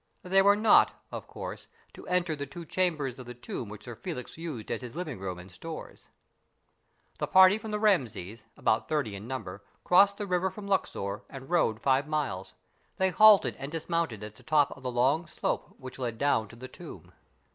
They were not, of course, to enter the two chambers of the tomb which Sir Felix used as his living room and stores. The party from the Rameses, about thirty in number, crossed the river from Luxor and rode five miles. They halted and dismounted at the top of the long slope which led down to the tomb.